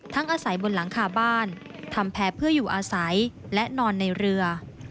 อาศัยบนหลังคาบ้านทำแพ้เพื่ออยู่อาศัยและนอนในเรือ